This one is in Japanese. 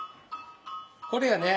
これやね？